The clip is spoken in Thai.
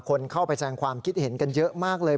คนเข้าไปแสงความคิดเห็นกันเยอะมากเลย